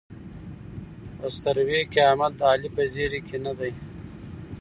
په ستروۍ کې احمد د علي په زېري کې نه دی.